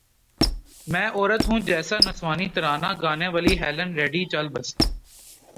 میں عورت ہوں جیسا نسوانی ترانہ گانے والی ہیلن ریڈی چل بسیں